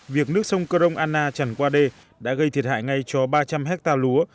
việc nước sông cơ rông anna tràn qua đê đã gây thiệt hại ngay cho ba trăm linh hectare lúa